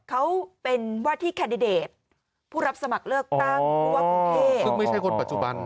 เขาเป็นว่าที่แคนดิเดตผู้รับสมัครเลือกตั้งผู้ว่ากรุงเทพซึ่งไม่ใช่คนปัจจุบัน